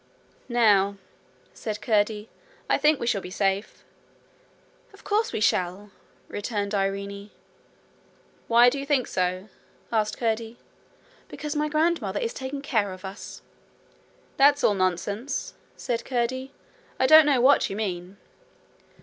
'Now,'said Curdie; 'I think we shall be safe.' 'Of course we shall,' returned Irene. 'Why do you think so?'asked Curdie. 'Because my grandmother is taking care of us.' 'That's all nonsense,' said Curdie. 'I don't know what you mean.'